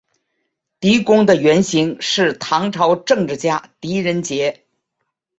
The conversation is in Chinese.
狄公的原型是唐朝政治家狄仁杰。